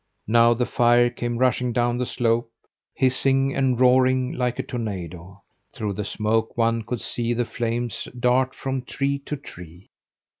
Now the fire came rushing down the slope, hissing and roaring like a tornado. Through the smoke one could see the flames dart from tree to tree.